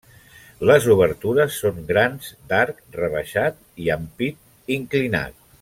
Les obertures són grans d'arc rebaixat i ampit inclinat.